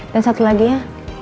dan satu lagi ya